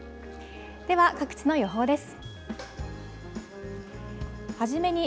では、各地の予報です。